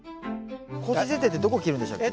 更新剪定ってどこ切るんでしたっけ？